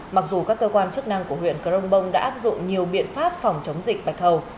mặc dù các cơ quan chức năng của huyện crong bông đã áp dụng nhiều biện pháp phòng chống dịch bạch hầu